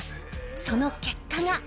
その結果が。